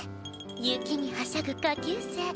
雪にはしゃぐ下級生。